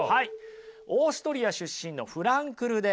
オーストリア出身のフランクルです。